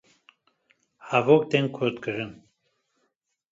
Hevok tên kurtkirin